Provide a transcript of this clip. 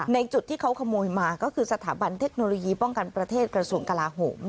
จุดที่เขาขโมยมาก็คือสถาบันเทคโนโลยีป้องกันประเทศกระทรวงกลาโหม